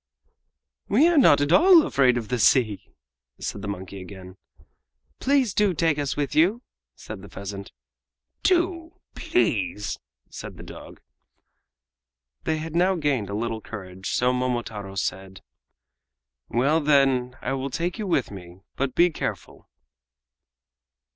"We are not at all afraid of the sea," said the monkey again. "Please do take us with you," said the pheasant. "Do please," said the dog. They had now gained a little courage, so Momotaro said: "Well, then, I will take you with me, but be careful!"